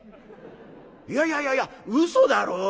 いやいやいやいや嘘だろう？」。